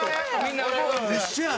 一緒やね。